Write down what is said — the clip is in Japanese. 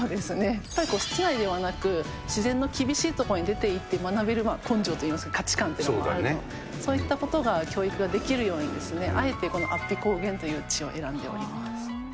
やっぱり室内ではなく、自然の厳しい所に出ていって学べるのは、根性とか価値感っていうのがあると思うので、そういったことが教育ができるように、あえてこの安比高原という地を選んでおります。